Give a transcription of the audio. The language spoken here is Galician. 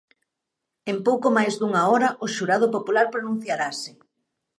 En pouco máis dunha hora o xurado popular pronunciarase.